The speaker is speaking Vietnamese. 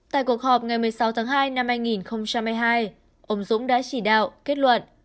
tại cuộc họp ngày một mươi sáu tháng hai năm hai nghìn hai mươi hai ông dũng đã chỉ đạo kết luận